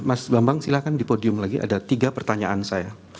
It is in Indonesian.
mas bambang silahkan di podium lagi ada tiga pertanyaan saya